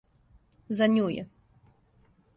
За њу је.